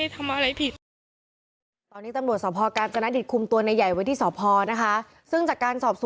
แต่ไม่มีทางที่หนูจะให้อภัยเขาเหตุขาด